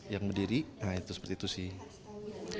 yang berdiri nah itu seperti itu sih